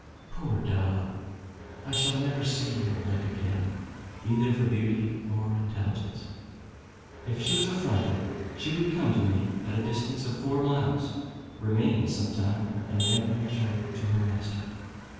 Poor Doll! I shall never see your like again, either for beauty or intelligence. If she was affronted she would come to me, at a distance of four miles, remain some time, and then return to her master.